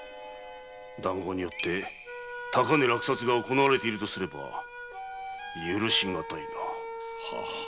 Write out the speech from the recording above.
談合によって高値落札が行われているとすれば許し難いな。